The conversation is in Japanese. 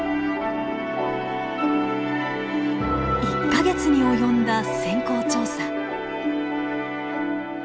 １か月に及んだ潜航調査。